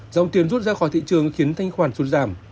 dòng tiền rút ra khỏi thị trường khiến thanh khoản sụt giảm